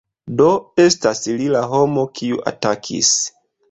Do estas li la homo, kiu atakis.